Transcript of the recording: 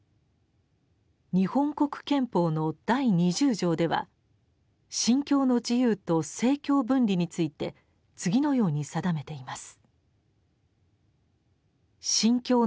「日本国憲法」の第二十条では「信教の自由」と「政教分離」について次のように定めています。